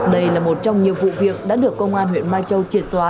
đây là một trong nhiều vụ việc đã được công an huyện mai châu triệt xóa